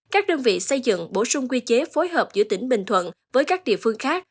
các đơn vị xây dựng bổ sung quy chế phối hợp giữa tỉnh bình thuận với các địa phương khác